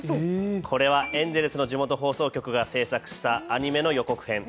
これはエンゼルスの地元放送局が制作したアニメの予告編。